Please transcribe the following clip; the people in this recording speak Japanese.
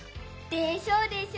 でしょでしょ。